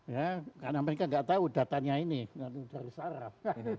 ya karena mereka nggak tahu datanya ini dari saraf